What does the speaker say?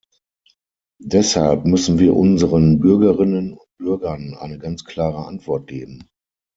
Deshalb müssen wir unseren Bürgerinnen und Bürgern eine ganz klare Antwort geben.